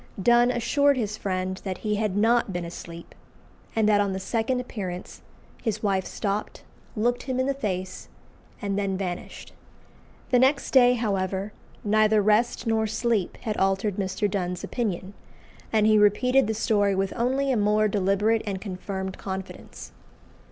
Donne assured his friend that he had not been asleep, and that on the second appearance his wife stopped, looked him in the face, and then vanished. The next day, however, neither rest nor sleep had altered Mr. Donne's opinion, and he repeated the story with only a more deliberate and confirmed confidence.